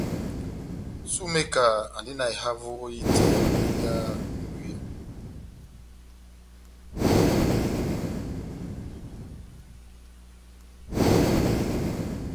Sumeka andi na ehavo ehitɛ o epedi ya mbwiya.